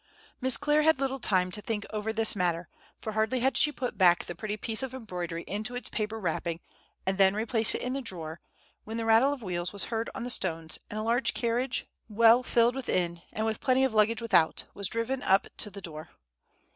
Miss Clare had little time to think over this matter, for hardly had she put back the pretty piece of embroidery into its paper wrapping, and then replaced it in the drawer, when the rattle of wheels was heard on the stones, and a large carriage, well filled within, and with plenty of luggage without, was driven up to the door.